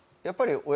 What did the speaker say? やっぱり。